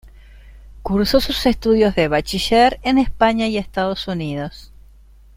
Cursó sus estudios de bachiller en España y Estados Unidos.